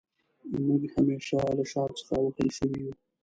موږ همېشه له شا څخه وهل شوي يو